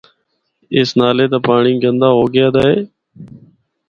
اس نالے دا پانڑی گندا ہو گیا دا اے۔